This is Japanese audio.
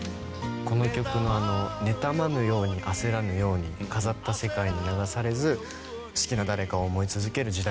この曲の「ねたまぬようにあせらぬように飾った世界に流されず好きな誰かを思いつづける時代